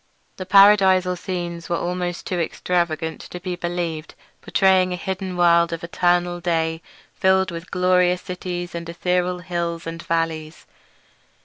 The paradisal scenes were almost too extravagant to be believed; portraying a hidden world of eternal day filled with glorious cities and ethereal hills and valleys.